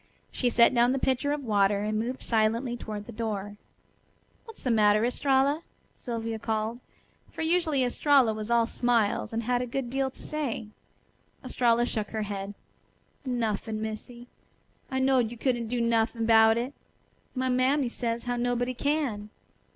She set down the pitcher of water and moved silently toward the door. "What's the matter, Estralla?" Sylvia called; for usually Estralla was all smiles, and had a good deal to say. Estralla shook her head. "Nuffin', Missy. I knowed you couldn't do nuffin' 'bout it. My mammy says how nobody can."